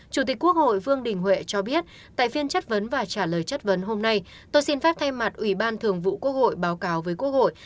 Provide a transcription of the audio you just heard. chủ tịch quốc hội vương đình huệ cho biết tại phiên chất vấn và trả lời chất vấn hôm nay tôi xin phép thay mặt ủy ban thường vụ quốc hội báo cáo với quốc hội